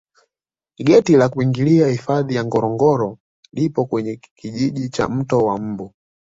geti la kuingia hifadhi ya ngorongoro lipo kwenye kijiji cha mto wa mbu